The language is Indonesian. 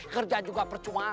kerja juga percuma